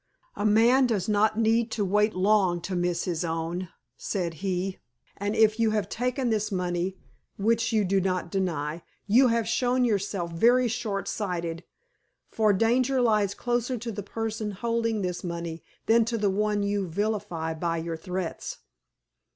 "A man does not need to wait long to miss his own," said he. "And if you have taken this money, which, you do not deny, you have shown yourself very short sighted, for danger lies closer to the person holding this money than to the one you vilify by your threats.